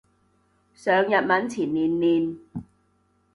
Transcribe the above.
上日文前練練